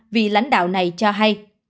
vì lãnh đạo này cho hay